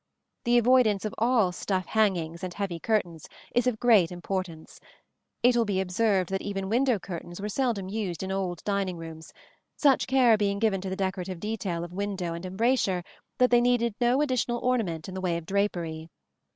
The avoidance of all stuff hangings and heavy curtains is of great importance: it will be observed that even window curtains were seldom used in old dining rooms, such care being given to the decorative detail of window and embrasure that they needed no additional ornament in the way of drapery.